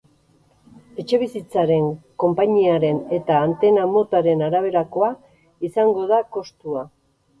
Etxebizitzaren, konpainiaren eta antena motaren araberakoa izango da kostua.